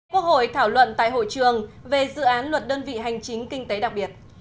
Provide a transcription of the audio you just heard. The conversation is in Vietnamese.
quốc hội thảo luận tại hội trường về dự án luật đơn vị hành chính kinh tế đặc biệt